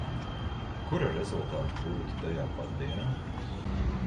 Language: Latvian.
Kura rezultāti būtu tajā pat dienā.